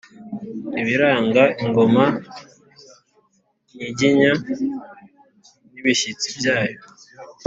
ibiranga ingoma nyiginya n'ibishyitsi byayo